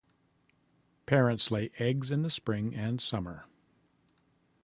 Parents lay eggs in the spring and summer.